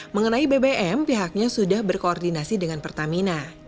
mengenai bbm pihaknya sudah berkoordinasi dengan pertamina